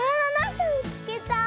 すみつけた。